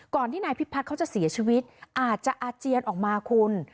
ที่นายพิพัฒน์เขาจะเสียชีวิตอาจจะอาเจียนออกมาคุณ